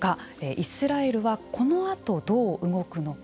イスラエルはこのあとどう動くのか。